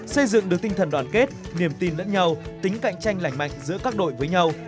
xây dựng được tinh thần đoàn kết niềm tin lẫn nhau tính cạnh tranh lành mạnh giữa các đội với nhau